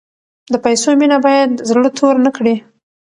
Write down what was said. د پیسو مینه باید زړه تور نکړي.